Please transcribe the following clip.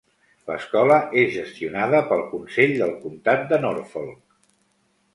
L'escola és gestionada pel Consell del Comtat de Norfolk.